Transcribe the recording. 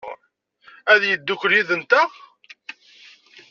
Ad yeddukel yid-nteɣ?